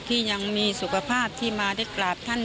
ที่ยังมีสุขภาพที่มาได้กราบท่าน